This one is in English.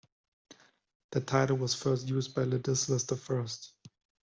That title was first used by Ladislaus the First.